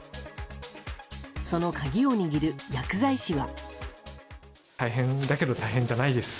その鍵を握る薬剤師は。